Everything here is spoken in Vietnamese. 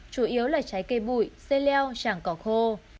chủ yếu là cháy cây bụi xê leo trảng cỏ khô